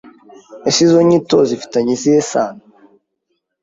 Ese izo nyito sifitanye iyihe sano